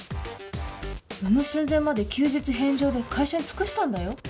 産む寸前まで休日返上で会社に尽くしたんだよ？